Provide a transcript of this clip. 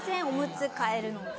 おむつ替えるの。